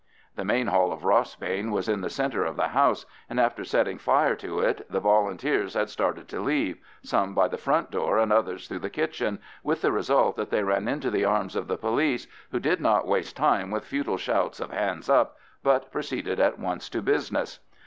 The main hall of Rossbane was in the centre of the house, and after setting fire to it the Volunteers had started to leave, some by the front door and others through the kitchen, with the result that they ran into the arms of the police, who did not waste time with futile shouts of "hands up," but proceeded at once to business.